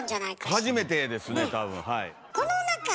初めてですね多分はい。